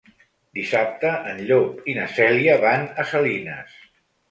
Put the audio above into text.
Dissabte en Llop i na Cèlia van a Salines.